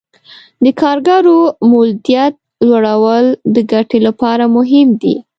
د کارګرو مولدیت لوړول د ګټې لپاره مهم دي.